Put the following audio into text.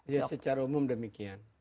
ya secara umum demikian